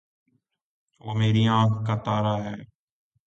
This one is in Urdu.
وہ میری آنکھ کا تارا ہے